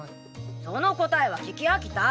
その答えは聞き飽きた。